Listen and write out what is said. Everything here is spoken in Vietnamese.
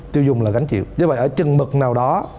tiêu dùng là gánh chịu vậy ở chân mực nào đó